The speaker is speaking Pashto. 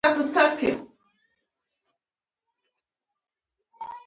یو ایاتیام سوال د ملکي خدمتونو مامور دی.